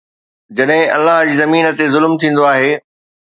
جڏهن الله جي زمين تي ظلم ٿيندو آهي